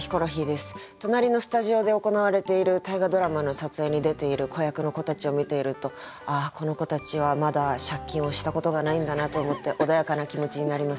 隣のスタジオで行われている大河ドラマの撮影に出ている子役の子たちを見ているとああこの子たちはまだ借金をしたことがないんだなと思って穏やかな気持ちになります。